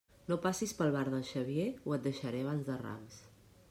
No passis pel bar del Xavier o et deixaré abans de Rams.